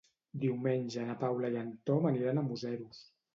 Diumenge na Paula i en Tom aniran a Museros.